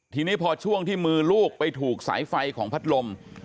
ทีนี้พอช่วงที่มือลูกไปถูกสายไฟของพัดลม